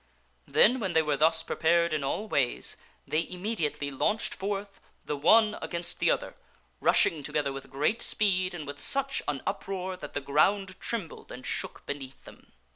Then, when they were thus prepared in all ways, they im mediately launched forth, the one against the other, rushing together with great speed and with such an uproar that the ground trembled and shook sir Gawaine beneath them.